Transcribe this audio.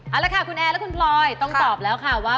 เอาละค่ะคุณแอร์และคุณพลอยต้องตอบแล้วค่ะว่า